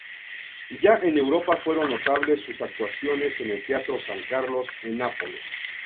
Ya en Europa fueron notables sus actuaciones en el Teatro San Carlos en Nápoles.